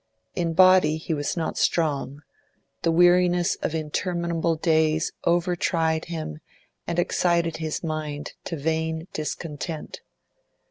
In body he was not strong; the weariness of interminable days over tried him and excited his mind to vain discontent.